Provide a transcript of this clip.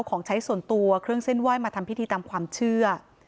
ของใช้ส่วนตัวเครื่องเส้นไหว้มาทำพิธีตามความเชื่อ